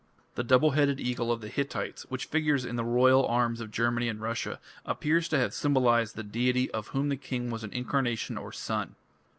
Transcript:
The double headed eagle of the Hittites, which figures in the royal arms of Germany and Russia, appears to have symbolized the deity of whom the king was an incarnation or son.